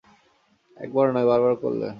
একবার নয়, বারবার করলেন।